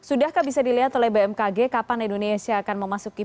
sudahkah bisa dilihat oleh bmkg kapan indonesia akan memasuki